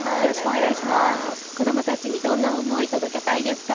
子どもたちにどんな思い、届けたいですか。